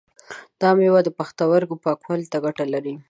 دا مېوه د پښتورګو پاکوالی ته ګټه لري.